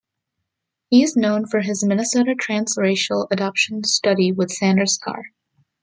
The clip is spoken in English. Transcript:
He is known for his Minnesota Transracial Adoption Study with Sandra Scarr.